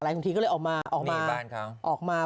และคุณฐรีเลยออกมานะ